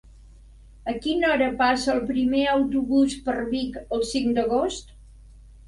A quina hora passa el primer autobús per Vic el cinc d'agost?